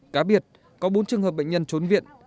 cá biệt có bốn trường hợp bệnh nhân trốn viện